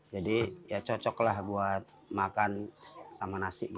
jadi cocoklah buat makan sama nasi